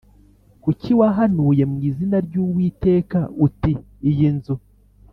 Kuki wahanuye mu izina ry Uwiteka uti Iyi nzu